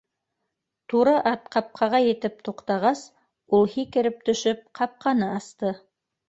Туры ат ҡапҡаға етеп туҡтағас, ул, һикереп төшөп, ҡапҡаны асты.